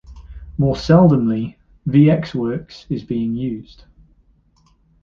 More seldomly, VxWorks is being used.